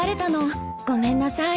ごめんなさい。